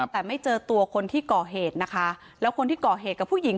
แต่ไม่เจอตัวคนที่ก่อเหตุนะคะแล้วคนที่ก่อเหตุกับผู้หญิง